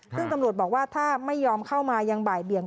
ซึ่งตำรวจบอกว่าถ้าไม่ยอมเข้ามายังบ่ายเบียง